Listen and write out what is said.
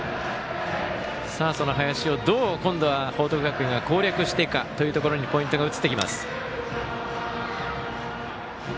その林をどう今度は報徳学園が攻略していくかというところにポイントが移っていきます。